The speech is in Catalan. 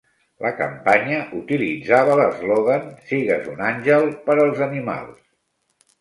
La campanya utilitzava l'eslògan "Sigues un àngel per als animals."